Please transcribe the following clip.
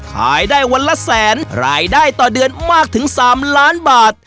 ขายได้วันละแสนรายได้ต่อเดือนมากถึง๓ล้านบาท